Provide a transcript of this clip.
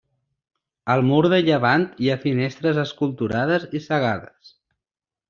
Al mur de llevant hi ha finestres esculturades i cegades.